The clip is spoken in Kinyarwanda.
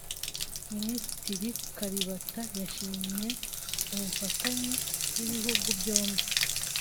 Minisitiri Kalibata yashimye ubufatanye bw’ibihugu byombi